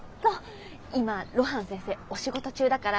今露伴先生お仕事中だから。